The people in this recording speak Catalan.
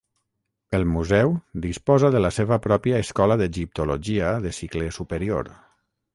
El museu disposa de la seva pròpia escola d'Egiptologia de cicle superior.